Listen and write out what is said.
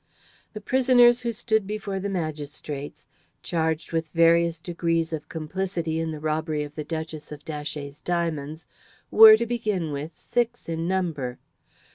The prisoners who stood before the magistrates, charged with various degrees of complicity in the robbery of the Duchess of Datchet's diamonds, were, to begin with, six in number.